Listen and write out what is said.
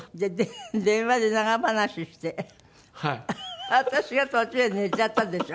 電話で長話して私が途中で寝ちゃったんでしょ？